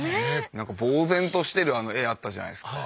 なんかぼう然としてるあの画あったじゃないですか。